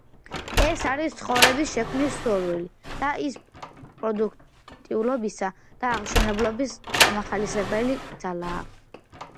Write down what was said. ეს არის ცხოვრების შექმნის სურვილი და ის პროდუქტიულობისა და აღმშენებლობის წამახალისებელი ძალაა.